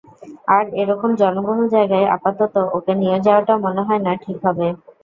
আর, এরকম জনবহুল জায়গায় আপাতত ওকে নিয়ে যাওয়াটা মনে হয় না ঠিক হবে।